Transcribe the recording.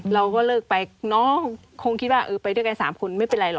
เราก็เลิกไปน้องคงคิดว่าเออไปด้วยกัน๓คนไม่เป็นไรหรอก